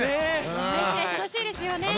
毎試合楽しいですよね。